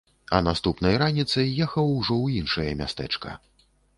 А наступнай раніцай ехаў ужо ў іншае мястэчка.